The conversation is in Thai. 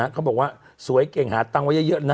เขาบอกว่าสวยเก่งหาตังค์ไว้เยอะนะ